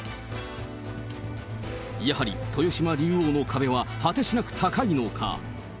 やはり、豊島竜王の壁は果てしなく高いのか。